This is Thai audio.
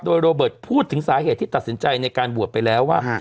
โดยโรเบิร์ตพูดถึงสาเหตุที่ตัดสินใจในการบวชไปแล้วว่า